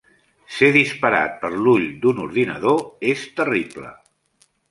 Ser disparat per l"ull d"un ordinador és terrible.